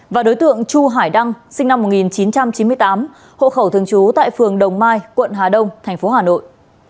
và đối tượng chu hải đăng sinh năm một nghìn chín trăm chín mươi tám hộ khẩu thường trú tại phường đồng mai quận hà đông tp hà nội